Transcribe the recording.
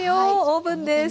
オーブンです。